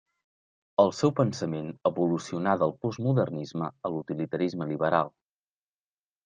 El seu pensament evolucionà del postmodernisme a l'utilitarisme liberal.